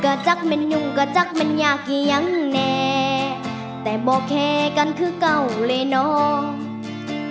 ก็จักมันยุ่งกระจักมันยากเอียงแน่แต่บอกแค่กันคือเก่าเลยน้อง